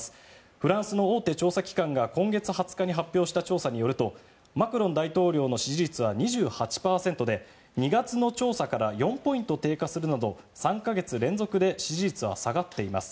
フランスの大手調査機関が今月２０日に発表した調査によるとマクロン大統領の支持率は２８％で２月の調査から４ポイント低下するなど３か月連続で支持率は下がっています。